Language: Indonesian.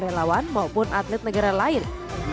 tidak ada yang menang selain atlet negara lain